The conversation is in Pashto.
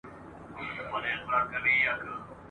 چي لري د ربابونو دوکانونه !.